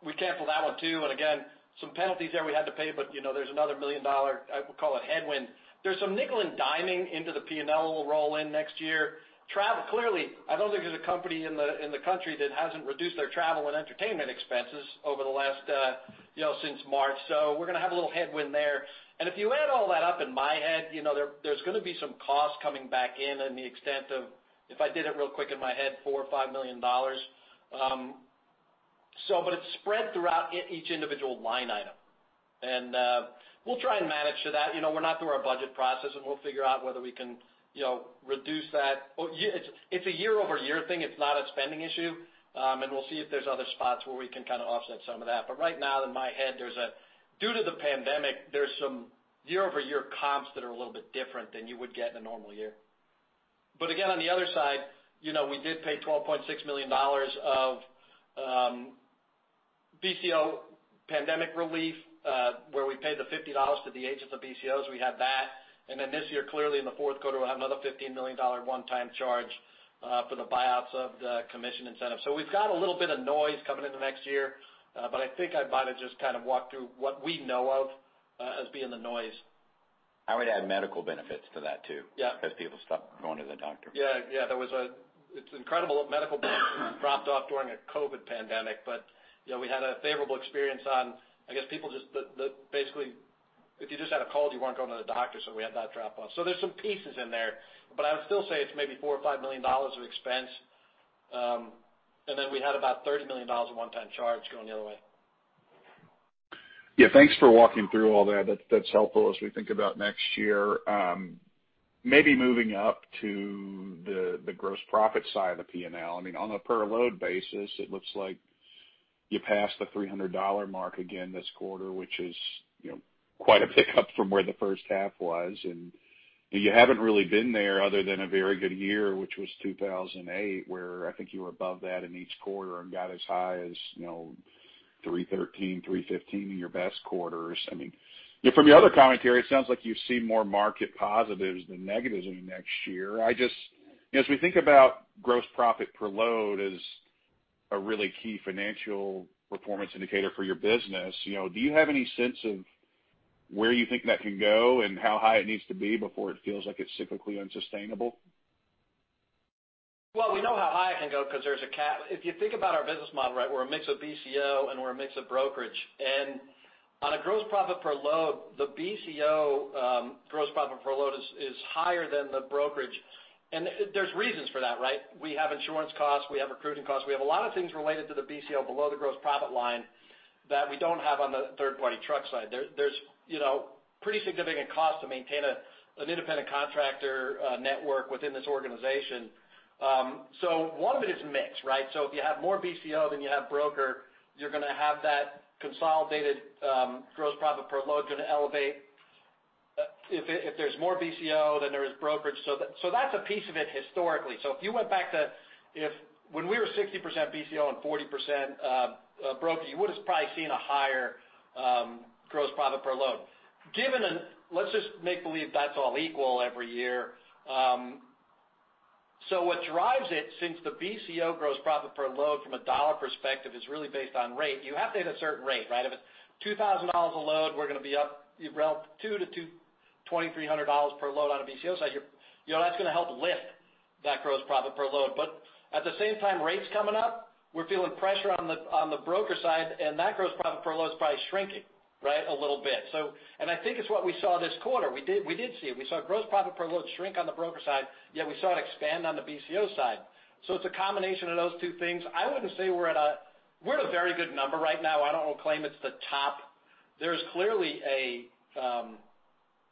we canceled that one, too. And again, some penalties there we had to pay, but, you know, there's another $1 million-dollar, I would call it headwind. There's some nickel and diming into the P&L that will roll in next year. Travel, clearly, I don't think there's a company in the country that hasn't reduced their travel and entertainment expenses over the last, you know, since March. So we're going to have a little headwind there. And if you add all that up, in my head, you know, there's going to be some costs coming back in and the extent of, if I did it real quick in my head, $4 million-$5 million. So but it's spread throughout each individual line item. And we'll try and manage to that. You know, we're not through our budget process, and we'll figure out whether we can, you know, reduce that. Well, yeah, it's a year-over-year thing, it's not a spending issue. And we'll see if there's other spots where we can kind of offset some of that. But right now, in my head, there's due to the pandemic, there's some year-over-year comps that are a little bit different than you would get in a normal year. But again, on the other side, you know, we did pay $12.6 million of BCO pandemic relief, where we paid the $50 to the agents of BCOs, we had that. And then this year, clearly in the fourth quarter, we'll have another $15 million one-time charge for the buyouts of the commission incentive. So we've got a little bit of noise coming into next year, but I think I'd rather just kind of walk through what we know of as being the noise. I would add medical benefits to that, too. Yeah. Because people stopped going to the doctor. Yeah, yeah. It's incredible. Medical benefits dropped off during a COVID pandemic, but, you know, we had a favorable experience on, I guess, people just, but basically, if you just had a cold, you weren't going to the doctor, so we had that drop off. So there's some pieces in there, but I would still say it's maybe $4-$5 million of expense. And then we had about $30 million of one-time charge going the other way. Yeah, thanks for walking through all that. That, that's helpful as we think about next year. Maybe moving up to the gross profit side of the P&L. I mean, on a per load basis, it looks like you passed the $300 mark again this quarter, which is, you know, quite a pickup from where the first half was. And you haven't really been there other than a very good year, which was 2008, where I think you were above that in each quarter and got as high as, you know, 313, 315 in your best quarters. I mean, from your other commentary, it sounds like you've seen more market positives than negatives in the next year. I just... As we think about gross profit per load as a really key financial performance indicator for your business, you know, do you have any sense of where you think that can go and how high it needs to be before it feels like it's typically unsustainable? Well, we know how high it can go because there's if you think about our business model, right, we're a mix of BCO and we're a mix of brokerage. And on a gross profit per load, the BCO gross profit per load is higher than the brokerage. And there's reasons for that, right? We have insurance costs, we have recruiting costs, we have a lot of things related to the BCO below the gross profit line that we don't have on the third-party truck side. There's you know, pretty significant cost to maintain an independent contractor network within this organization. So one of it is mix, right? So if you have more BCO than you have broker, you're going to have that consolidated gross profit per load going to elevate if there's more BCO than there is brokerage. So that's a piece of it historically. So if you went back to when we were 60% BCO and 40% broker, you would have probably seen a higher gross profit per load. Let's just make believe that's all equal every year. So what drives it, since the BCO gross profit per load from a dollar perspective is really based on rate, you have to hit a certain rate, right? If it's $2,000 a load, we're going to be up around $2,000-$2,300 per load on a BCO side. You know, that's going to help lift that gross profit per load. But at the same time, rates coming up, we're feeling pressure on the broker side, and that gross profit per load is probably shrinking, right, a little bit. So, and I think it's what we saw this quarter. We did, we did see it. We saw gross profit per load shrink on the broker side, yet we saw it expand on the BCO side. So it's a combination of those two things. I wouldn't say we're at a, we're at a very good number right now. I don't want to claim it's the top. There's clearly a,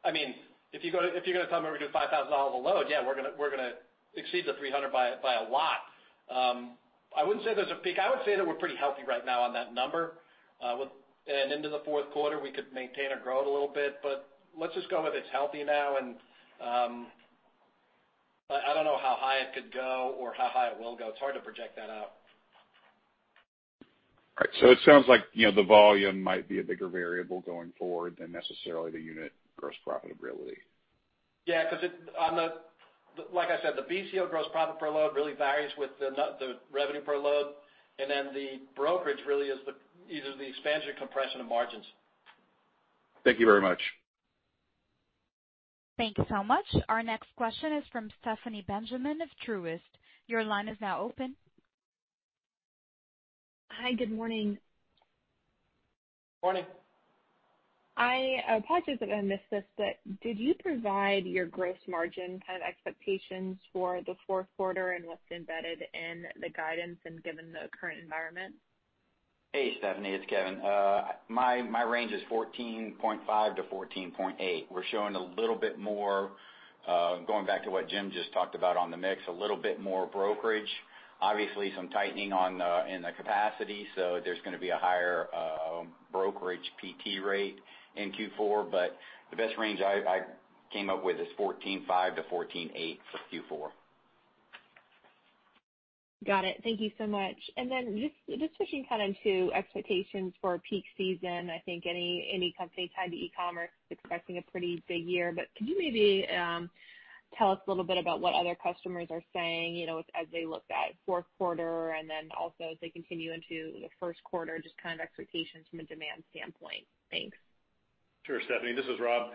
I mean, if you go to, if you're going to tell me we're doing $5,000 a load, yeah, we're going to, we're going to exceed the $300 by, by a lot. I wouldn't say there's a peak. I would say that we're pretty healthy right now on that number. Into the fourth quarter, we could maintain or grow it a little bit, but let's just go with it's healthy now, and I don't know how high it could go or how high it will go. It's hard to project that out. All right. So it sounds like, you know, the volume might be a bigger variable going forward than necessarily the unit gross profitability. Yeah, because it, on the... Like I said, the BCO gross profit per load really varies with the revenue per load, and then the brokerage really is the either the expansion or compression of margins. Thank you very much. Thank you so much. Our next question is from Stephanie Benjamin of Truist. Your line is now open. Hi, good morning. Morning. I apologize if I missed this, but did you provide your gross margin kind of expectations for the fourth quarter and what's embedded in the guidance and given the current environment? Hey, Stephanie, it's Kevin. My range is 14.5-14.8. We're showing a little bit more, going back to what Jim just talked about on the mix, a little bit more brokerage. Obviously, some tightening on the, in the capacity, so there's going to be a higher, brokerage PT rate in Q4, but the best range I came up with is 14.5-14.8 for Q4. Got it. Thank you so much. And then just, just switching kind of to expectations for peak season, I think any, any company tied to e-commerce is expecting a pretty big year. But could you maybe, tell us a little bit about what other customers are saying, you know, as they look at fourth quarter and then also as they continue into the first quarter, just kind of expectations from a demand standpoint? Thanks. Sure, Stephanie, this is Rob.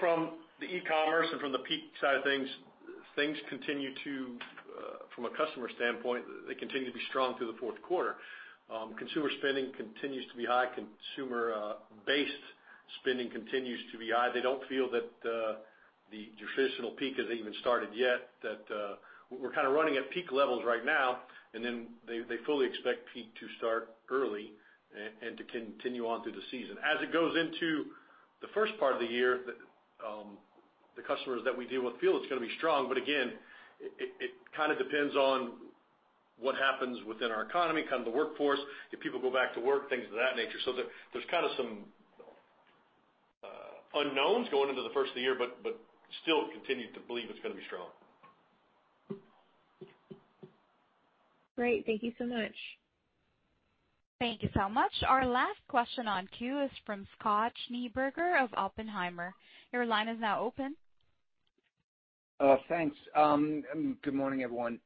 From the e-commerce and from the peak side of things, things continue to from a customer standpoint, they continue to be strong through the fourth quarter. Consumer spending continues to be high. Consumer based spending continues to be high. They don't feel that the traditional peak has even started yet, that we're kind of running at peak levels right now, and then they fully expect peak to start early and to continue on through the season. As it goes into the first part of the year, the customers that we deal with feel it's going to be strong. But again, it kind of depends on what happens within our economy, kind of the workforce, if people go back to work, things of that nature. So there, there's kind of some unknowns going into the first of the year, but, but still continue to believe it's going to be strong. Great. Thank you so much. Thank you so much. Our last question in queue is from Scott Schneeberger of Oppenheimer. Your line is now open. Thanks. Good morning, everyone.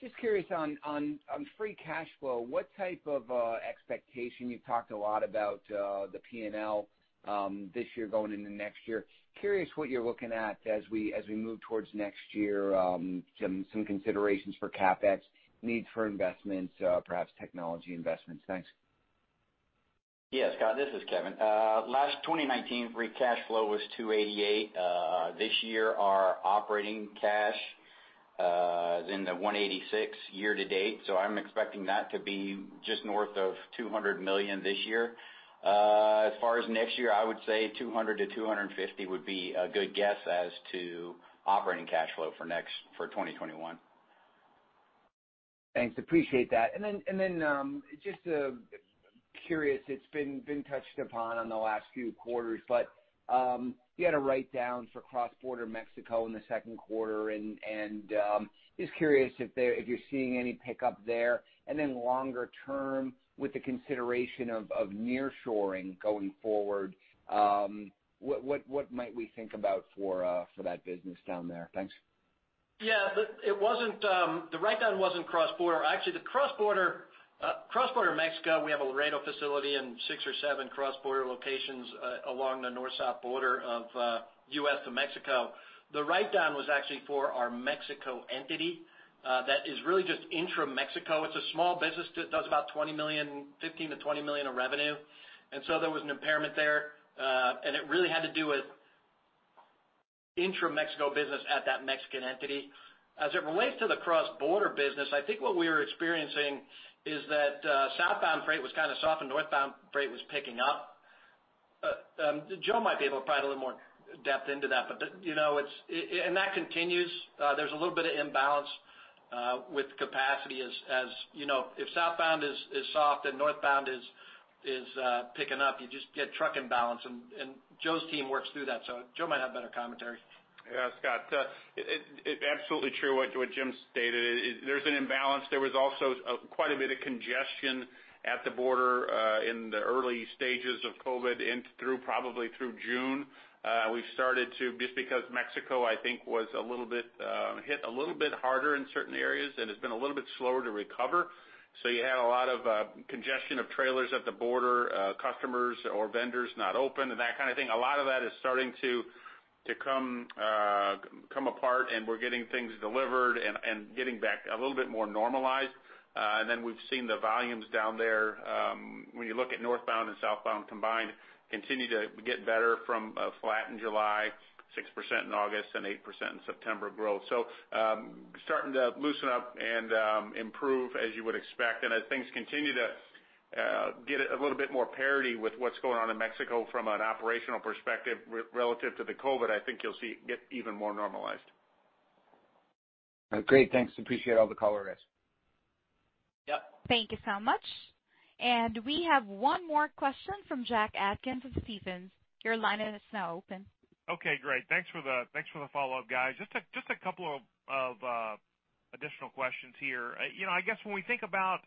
Just curious on free cash flow, what type of expectation you talked a lot about the P&L this year going into next year. Curious what you're looking at as we move towards next year, some considerations for CapEx, needs for investments, perhaps technology investments? Thanks. Yeah, Scott, this is Kevin. Last 2019, free cash flow was $288 million. This year, our operating cash is in the $186 million year to date, so I'm expecting that to be just north of $200 million this year. As far as next year, I would say $200 million-$250 million would be a good guess as to operating cash flow for next, for 2021. Thanks, appreciate that. And then just curious, it's been touched upon in the last few quarters, but you had a write-down for cross-border Mexico in the second quarter, and just curious if you're seeing any pickup there, and then longer term, with the consideration of nearshoring going forward, what might we think about for that business down there? Thanks. Yeah, it wasn't the write-down wasn't cross-border. Actually, the cross-border cross-border Mexico, we have a Laredo facility and six or seven cross-border locations along the north-south border of U.S. to Mexico. The write-down was actually for our Mexico entity that is really just intra-Mexico. It's a small business that does about $20 million, $15-$20 million of revenue. And so there was an impairment there, and it really had to do with intra-Mexico business at that Mexican entity. As it relates to the cross-border business, I think what we are experiencing is that southbound freight was kind of soft and northbound freight was picking up. Joe might be able to provide a little more depth into that, but, you know, it's, and that continues. There's a little bit of imbalance with capacity, as you know. If southbound is soft and northbound is picking up, you just get truck imbalance, and Joe's team works through that, so Joe might have better commentary. Yeah, Scott, absolutely true what Jim stated. There's an imbalance. There was also quite a bit of congestion at the border in the early stages of COVID, in through, probably through June. We've started to, just because Mexico, I think, was a little bit hit a little bit harder in certain areas, and it's been a little bit slower to recover. So you had a lot of congestion of trailers at the border, customers or vendors not open, and that kind of thing. A lot of that is starting to come apart, and we're getting things delivered and getting back a little bit more normalized. And then we've seen the volumes down there, when you look at northbound and southbound combined, continue to get better from, flat in July, 6% in August, and 8% in September growth. So, starting to loosen up and, improve as you would expect. And as things continue to, get a little bit more parity with what's going on in Mexico from an operational perspective relative to the COVID, I think you'll see it get even more normalized. Great, thanks. Appreciate all the color, guys. Yep. Thank you so much. We have one more question from Jack Atkins of Stephens. Your line is now open. Okay, great. Thanks for the follow-up, guys. Just a couple of additional questions here. You know, I guess when we think about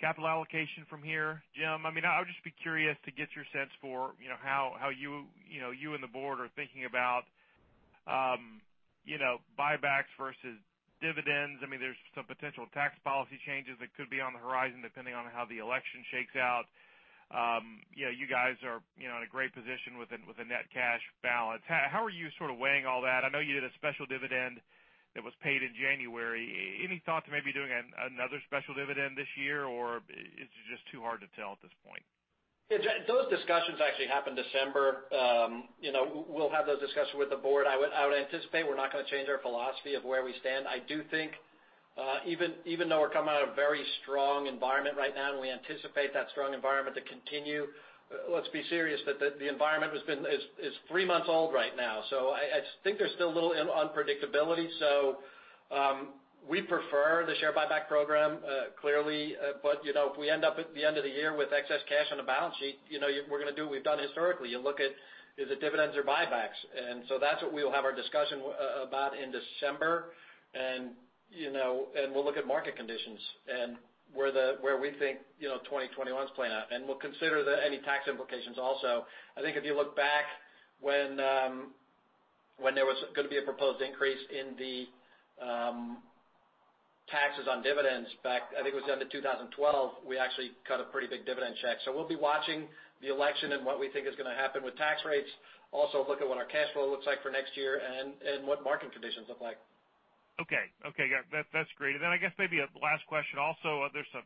capital allocation from here, Jim, I mean, I would just be curious to get your sense for, you know, how you and the board are thinking about, you know, buybacks versus dividends. I mean, there's some potential tax policy changes that could be on the horizon, depending on how the election shakes out. You know, you guys are in a great position with a net cash balance. How are you sort of weighing all that? I know you did a special dividend that was paid in January. Any thought to maybe doing another special dividend this year, or is it just too hard to tell at this point? Yeah, Jack, those discussions actually happen December. You know, we'll have those discussions with the board. I would, I would anticipate we're not going to change our philosophy of where we stand. I do think, even, even though we're coming out of a very strong environment right now, and we anticipate that strong environment to continue, let's be serious, that the, the environment has been... is, is three months old right now. So I, I think there's still a little unpredictability. So, we prefer the share buyback program, clearly. But, you know, if we end up at the end of the year with excess cash on the balance sheet, you know, we're going to do what we've done historically, you look at is it dividends or buybacks? And so that's what we'll have our discussion about in December. You know, we'll look at market conditions and where we think 2021's playing out. And we'll consider any tax implications also. I think if you look back when, when there was going to be a proposed increase in the taxes on dividends back, I think it was end of 2012, we actually cut a pretty big dividend check. So we'll be watching the election and what we think is going to happen with tax rates. Also, look at what our cash flow looks like for next year and what market conditions look like. Okay. Okay, yeah, that, that's great. And then I guess maybe a last question also. There's a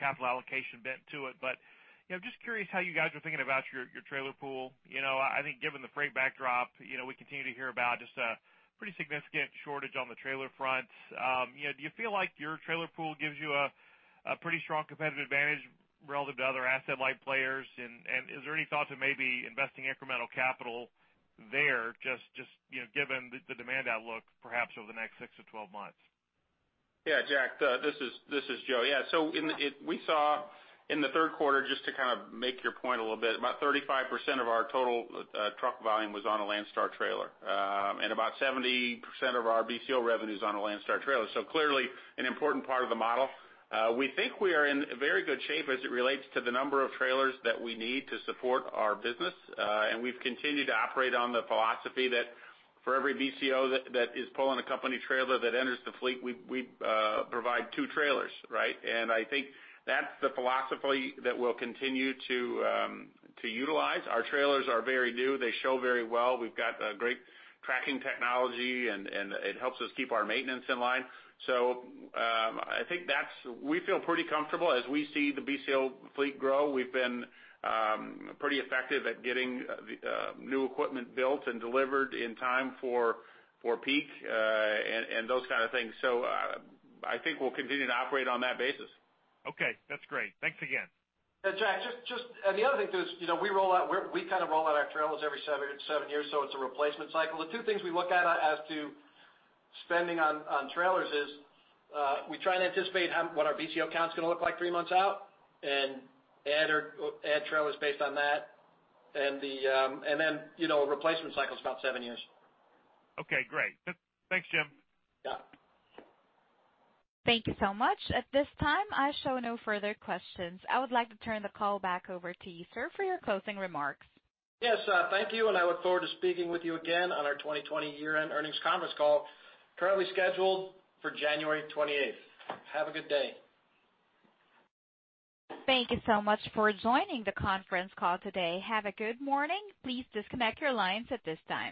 capital allocation bent to it. But, you know, just curious how you guys are thinking about your trailer pool. You know, I think given the freight backdrop, you know, we continue to hear about just a pretty significant shortage on the trailer front. You know, do you feel like your trailer pool gives you a pretty strong competitive advantage relative to other asset-light players? And is there any thought to maybe investing incremental capital there, just, you know, given the demand outlook, perhaps over the next 6-12 months? Yeah, Jack, this is Joe. Yeah, so in the third quarter, just to kind of make your point a little bit, about 35% of our total truck volume was on a Landstar trailer. And about 70% of our BCO revenue is on a Landstar trailer. So clearly, an important part of the model. We think we are in very good shape as it relates to the number of trailers that we need to support our business. And we've continued to operate on the philosophy that for every BCO that is pulling a company trailer that enters the fleet, we provide two trailers, right? And I think that's the philosophy that we'll continue to utilize. Our trailers are very new. They show very well. We've got a great tracking technology, and it helps us keep our maintenance in line. So, I think that's... We feel pretty comfortable as we see the BCO fleet grow. We've been pretty effective at getting new equipment built and delivered in time for peak, and those kind of things. So, I think we'll continue to operate on that basis. Okay, that's great. Thanks again. And Jack, and the other thing, too, is, you know, we kind of roll out our trailers every seven years, so it's a replacement cycle. The two things we look at as to spending on trailers is, we try to anticipate what our BCO count's going to look like three months out and add trailers based on that. And then, you know, replacement cycle is about seven years. Okay, great. Thanks, Jim. Yeah. Thank you so much. At this time, I show no further questions. I would like to turn the call back over to you, sir, for your closing remarks. Yes, thank you, and I look forward to speaking with you again on our 2020 year-end earnings conference call, currently scheduled for January 28th. Have a good day. Thank you so much for joining the conference call today. Have a good morning. Please disconnect your lines at this time.